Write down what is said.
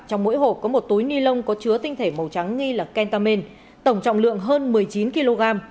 trong mỗi hộp có một túi ni lông có chứa tinh thể màu trắng nghi là kentamin tổng trọng lượng hơn một mươi chín kg